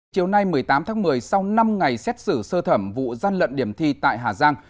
chiều nay một mươi tám tháng một mươi sau năm ngày xét xử sơ thẩm vụ gian lận điểm thi tại hà giang